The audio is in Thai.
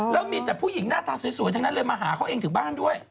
แล้วมีแต่ผู้หญิงหน้าตาสวยทั้งนั้นเลยมาหาเขาเองถึงบ้านด้วย